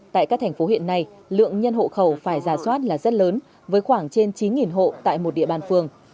tại các thành phố hiện nay lượng nhân hộ khẩu phải ra soát là rất lớn với khoảng trên chín hộ tại một địa bàn phường